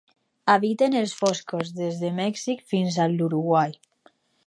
Habiten els boscos des de Mèxic fins a l'Uruguai.